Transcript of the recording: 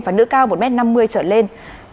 và nữ cao một m năm mươi trở lên